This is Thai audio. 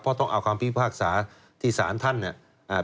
เพราะต้องเอาคำพิพากษาที่สารท่านเนี่ย